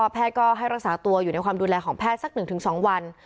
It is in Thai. แพทย์ก็ให้รักษาตัวอยู่ในความดูแลของแพทย์สัก๑๒วัน